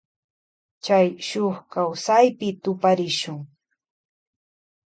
Chay shuk kawsaypi tuparishun.